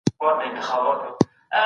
دغه غوښتنه كوي دا اوس د دعــا پـر پـاڼـه